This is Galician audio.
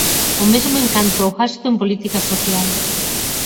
O mesmo en canto ao gasto en política social.